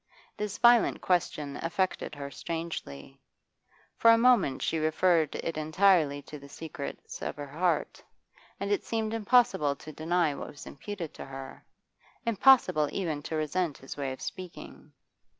This violent question affected her strangely. For a moment she referred it entirely to the secrets of her heart, and it seemed impossible to deny what was imputed to her, impossible even to resent his way of speaking.